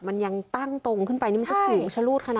มันยังตั้งตรงขึ้นไปนี่มันจะสูงชะลูดขนาด